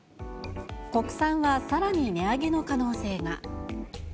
国産はさらに値上げの可能性が。